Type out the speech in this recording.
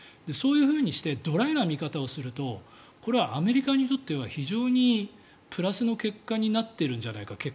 そういうふうにしてドライな見方をするとこれはアメリカにとっては非常にプラスの結果になってるんじゃないか。